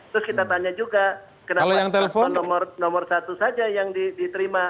terus kita tanya juga kenapa paslon nomor satu saja yang diterima